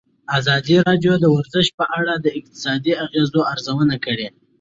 ازادي راډیو د ورزش په اړه د اقتصادي اغېزو ارزونه کړې.